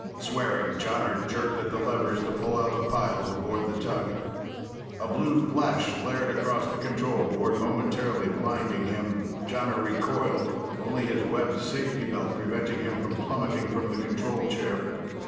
Swearing Jonner jerked at the levers to pull out the piles aboard the tug. A blue flash flared across the control board, momentarily blinding him. Jonner recoiled, only his webbed safety belt preventing him from plummeting from the control chair.